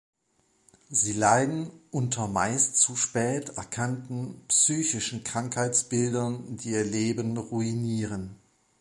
Sie leiden unter meist zu spät erkannten psychischen Krankheitsbildern, die ihr Leben ruinieren.